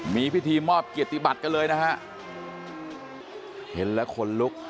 มีพิธีมอบเกียรติบัติกันเลยนะฮะเห็นแล้วขนลุก